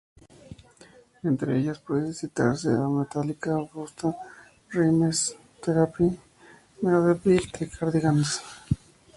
Entre ellas puede citarse a Metallica, Busta Rhymes, Therapy?, Megadeth y The Cardigans.